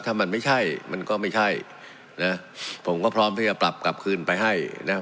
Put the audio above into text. ถ้ามันไม่ใช่มันก็ไม่ใช่นะผมก็พร้อมที่จะปรับกลับคืนไปให้นะ